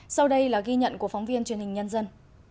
sau đây là ghi nhận của phóng viên truyền hình nhân dân